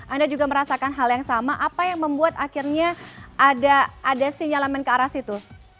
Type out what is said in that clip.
anda juga merasakan hal yang sama apa yang membuat akhirnya ada sinyal laman kearas itu